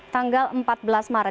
tanggal empat belas maret